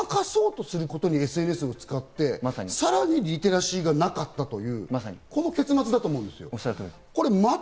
でも、ごまかそうとすることにＳＮＳを使ってさらにリテラシーがなかったという、この結末だと思うんです。